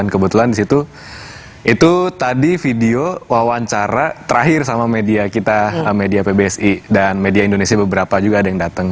kebetulan di situ itu tadi video wawancara terakhir sama media kita media pbsi dan media indonesia beberapa juga ada yang datang